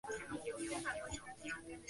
生母纯贵妃苏氏。